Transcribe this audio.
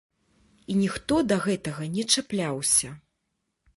І ніхто да гэтага не чапляўся.